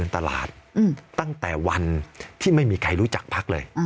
ตลาดตั้งแต่วันที่ไม่มีใครรู้จักพักเลย